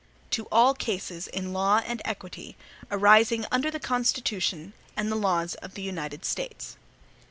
To all cases in law and equity, arising under the Constitution and the laws of the United States.